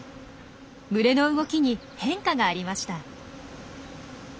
群れの動きに変化がありました。